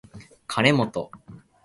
かねもと